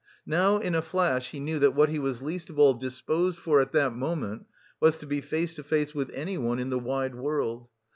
Now, in a flash, he knew, that what he was least of all disposed for at that moment was to be face to face with anyone in the wide world.